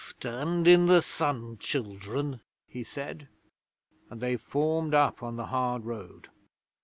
'"Stand in the sun, children," he said, and they formed up on the hard road.